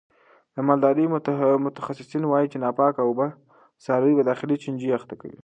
د مالدارۍ متخصصین وایي چې ناپاکه اوبه څاروي په داخلي چنجیو اخته کوي.